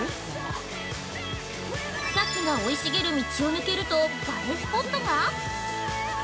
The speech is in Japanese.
草木が生い茂る道を抜けると映えスポットが！？